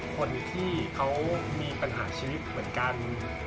คนที่เขามีปัญหาชีวิตเหมือนกัน